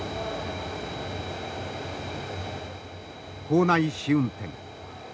構内試運転。